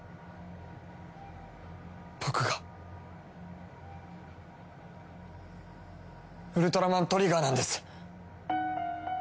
僕がウルトラマントリガーなんです！